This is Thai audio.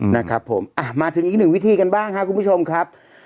นะครับผมอ่ะมาถึงอีกหนึ่งวิธีกันบ้างครับคุณผู้ชมครับ